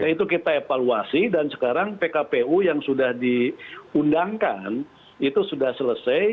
itu kita evaluasi dan sekarang pkpu yang sudah diundangkan itu sudah selesai